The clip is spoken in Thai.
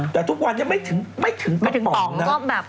แต่ทุกวันนี้ไม่ถึงกระป๋องนะ